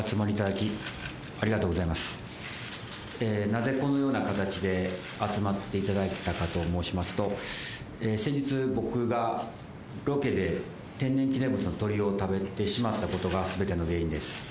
なぜこのような形で集まっていただいたかと申しますと先日僕がロケで天然記念物の鳥を食べてしまったことが全ての原因です。